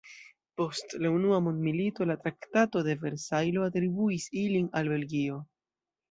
Post la Unua mondmilito la Traktato de Versajlo atribuis ilin al Belgio.